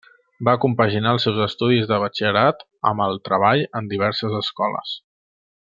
Va compaginar els seus estudis de Batxillerat amb el treball en diverses escoles.